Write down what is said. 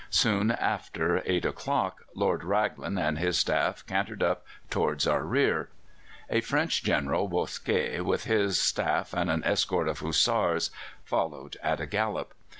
Soon after eight o'clock Lord Raglan and his staff cantered up towards our rear; a French General, Bosquet, with his staff and an escort of Hussars, followed at a gallop.